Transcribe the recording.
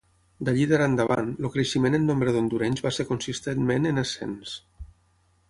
D'allí d'ara endavant, el creixement en nombre d'hondurenys va ser consistentment en ascens.